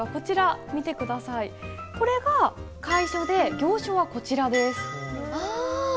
これが楷書で行書はこちらです。